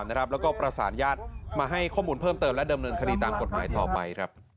แล้วก็ประสานญาติมาให้ข้อมูลเพิ่มเติมและดำเนินคดีตามกฎหมายต่อไป